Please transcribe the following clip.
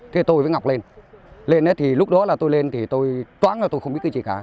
thế tôi với ngọc lên lên thì lúc đó là tôi lên thì tôi toãn là tôi không biết cái gì cả